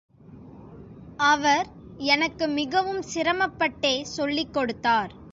அவர் எனக்கு மிகவும் சிரமப்பட்டே சொல்லிக் கொடுத்தார்.